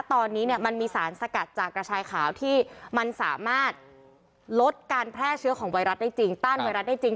ตอนนี้มันมีสารสกัดจากระชายขาวที่มันสามารถลดการแพร่เชื้อของไวรัสได้จริง